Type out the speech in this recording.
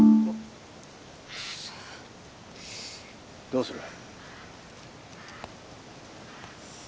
どうする？